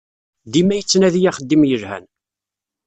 Dima yettnadi axeddim yelhan.